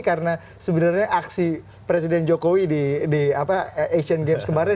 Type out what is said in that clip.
karena sebenarnya aksi presiden jokowi di asian games kemarin